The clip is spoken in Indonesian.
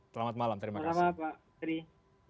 selamat malam terima kasih